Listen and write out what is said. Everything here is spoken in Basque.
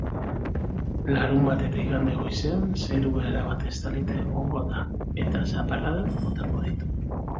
Larunbat eta igande goizean zerua erabat estalita egongo da eta zaparradak botako ditu.